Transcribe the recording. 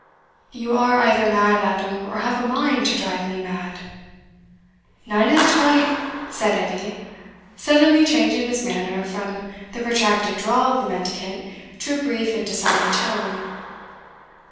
"You are either mad, Adam, or have a mind to drive me mad." "Nane o' the twa," said Edie, suddenly changing his manner from the protracted drawl of the mendicant to a brief and decided tone.